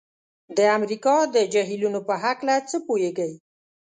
د امریکا د جهیلونو په هلکه څه پوهیږئ؟